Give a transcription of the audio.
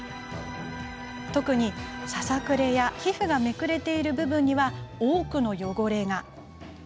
特に、ささくれや皮膚がめくれている部分には多くの汚れが。